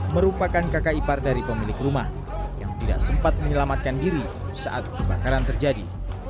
merupakan kakak ipar dari pemilik rumah yang tidak sempat menyelamatkan diri saat kebakaran terjadi